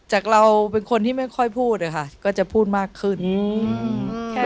จากเราเป็นคนที่ไม่ค่อยพูดอะค่ะก็จะพูดมากขึ้นแค่